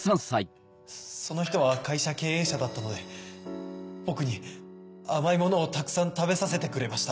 その人は会社経営者だったので僕に甘いものをたくさん食べさせてくれました。